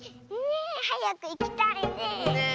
ねえはやくいきたいねえ。